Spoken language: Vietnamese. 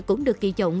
cũng được kỳ trọng